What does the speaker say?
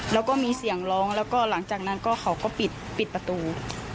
แล้วก็มีเสียงร้องแล้วก็หลังจากนั้นก็เขาก็ปิดประตู